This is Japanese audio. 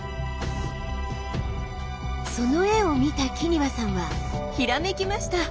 その絵を見た木庭さんはひらめきました。